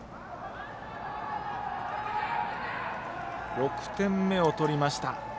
６点目を取りました。